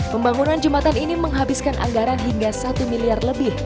pembangunan jembatan ini menghabiskan anggaran hingga satu miliar lebih